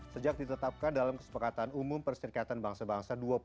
sejak ditetapkan dalam kesepakatan umum perserikatan bangsa bangsa